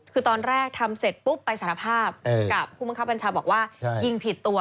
คือตอนแรกทำเสร็จปุ๊บไปสารภาพกับผู้บังคับบัญชาบอกว่ายิงผิดตัว